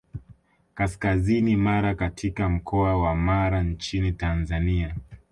Kaskazini Mara katika mkoa wa Mara nchini Tanzania